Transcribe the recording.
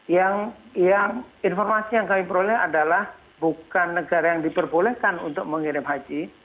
yang informasi yang kami peroleh adalah bukan negara yang diperbolehkan untuk mengirim haji